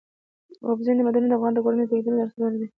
اوبزین معدنونه د افغان کورنیو د دودونو مهم عنصر دی.